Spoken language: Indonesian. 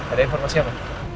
ada informasi apa